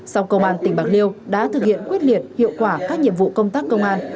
song công an tỉnh bạc liêu đã thực hiện quyết liệt hiệu quả các nhiệm vụ công tác công an